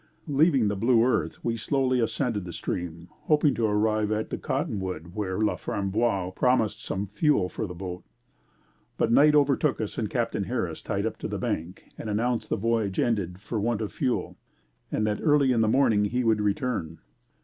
Leaving the Blue Earth we slowly ascended the stream, hoping to arrive at the Cottonwood where La Framboise promised some fuel for the boat, but night overtook us and Captain Harris tied up to the bank and announced the voyage ended for want of fuel and that early in the morning he would return.